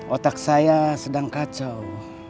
otak saya sedang kacau